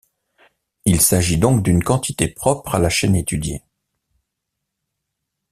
Il s'agit donc d'une quantité propre à la chaîne étudiée.